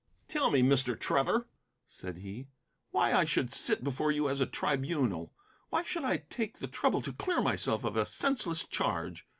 "Tell me, Mr. Trevor," said he, "why I should sit before you as a tribunal? Why I should take the trouble to clear myself of a senseless charge?